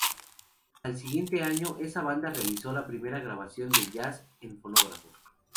Al siguiente año, esa banda realizó la primera grabación de jazz en fonógrafo.